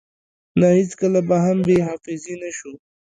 نه هیڅکله به هم بی حافظی نشو